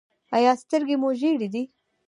ایا سترګې مو ژیړې دي؟